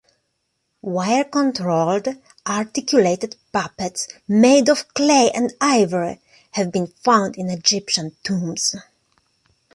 Wire-controlled, articulated puppets made of clay and ivory have been found in Egyptian tombs.